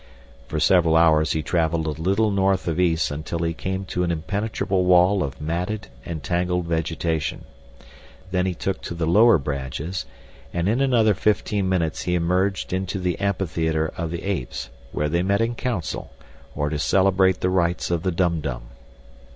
For several hours he traveled a little north of east until he came to an impenetrable wall of matted and tangled vegetation. Then he took to the lower branches, and in another fifteen minutes he emerged into the amphitheater of the apes, where they met in council, or to celebrate the rites of the Dum Dum.